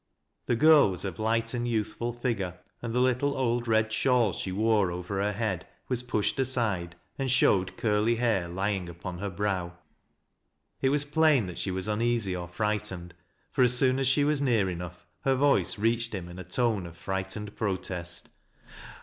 The girl was of light and youthful figure, and the little old red shawl she wore over her head was pushed aside, and showed curly hair lying upon her brow. It was plain that she was uneasy or fright ened, for, as soon as she was near enough, her voice reached him in a tone of frightened protest.